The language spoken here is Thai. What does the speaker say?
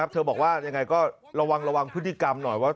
เธอบอกว่ายังไงก็ระวังพฤติกรรมหน่อย